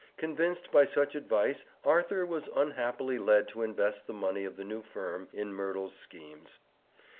Convinced by such advice Arthur was unhappily led to invest the money of the new firm in Merdle's schemes.